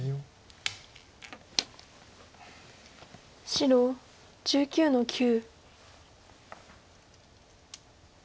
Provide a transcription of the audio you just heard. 白１９の九。